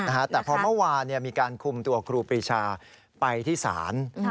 แต่พอเมื่อวานมีการคุมตัวครูปรีชาไปที่ศาล